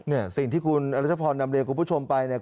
เนี่ยสิ่งที่คุณอรัชพรนำเรียนคุณผู้ชมไปเนี่ย